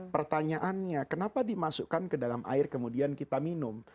pertanyaannya kenapa dimasukkan ke dalam air kemudian kita minum